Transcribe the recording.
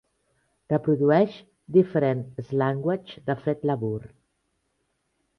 Reprodueix "Different Slanguages" de Fred LaBour.